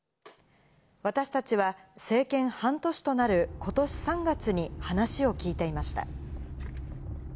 私たちは、政権半年となることし３月に話を聞いていました。